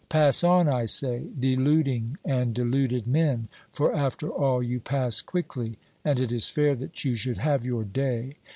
— Pass on, I say, deluding and deluded men, for after all you pass quickly, and it is fair that you should have your day.